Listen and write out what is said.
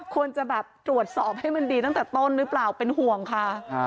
ควรจะแบบตรวจสอบให้มันดีตั้งแต่ต้นหรือเปล่าเป็นห่วงค่ะ